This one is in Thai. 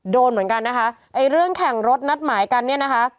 โดนเหมือนกันนะคะไอ้เรื่องแข่งรถนัดหมายกันเนี่ยนะคะ